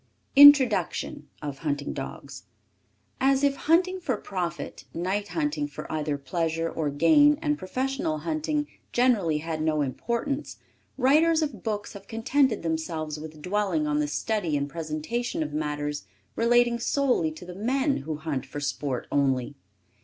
] INTRODUCTION. As if hunting for profit, night hunting for either pleasure or gain and professional hunting generally had no importance, writers of books have contented themselves with dwelling on the study and presentation of matters relating solely to the men who hunt for sport only.